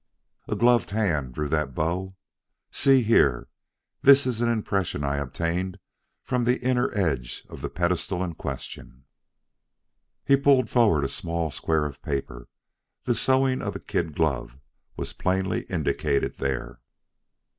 A gloved hand drew that bow. See here: this is an impression I obtained from the inner edge of the pedestal in question." He pulled forward a small square of paper; the sewing of a kid glove was plainly indicated there.